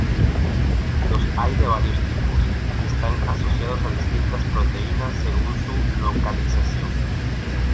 Los hay de varios tipos y están asociados a distintas proteínas, según su localización.